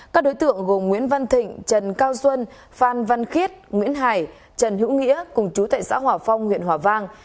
các đối tượng gồm nguyễn văn thịnh trần cao xuân phan văn khiết nguyễn hải trần hữu nghĩa cùng chú tại xã hòa phong huyện hòa vang